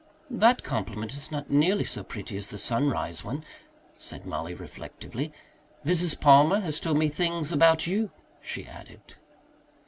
"That compliment is not nearly so pretty as the sunrise one," said Mollie reflectively. "Mrs. Palmer has told me things about you," she added.